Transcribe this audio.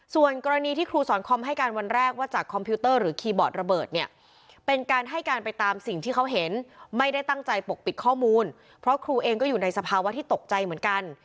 ส่วนกรณีที่ครูสอนคอมให้การวันแรกว่าจากคอมพิวเตอร์หรือคีย์บอร์ดระเบิดเนี่ยเป็นการให้การไปตามสิ่งที่เขาเห็นไม่ได้ตั้งใจปกปิดข้อมูลเพราะครูเองก็อยู่ในสภาวะที่ตกใจเหมือนกัน